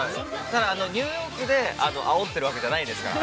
◆ニューヨークであおってるわけじゃないですから。